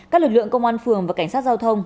các lực lượng công an phường và cảnh sát giao thông